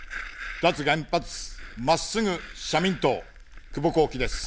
脱原発、まっすぐ社民党、久保孝喜です。